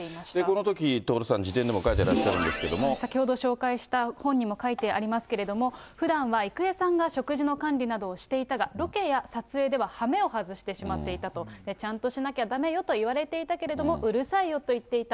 このとき、徹さん、本にも書いてありますけれども、ふだんは郁恵さんが食事の管理などをしていたがロケや撮影でははめを外してしまっていたと。ちゃんとしなきゃだめよと言われていたけれども、うるさいよと言っていた。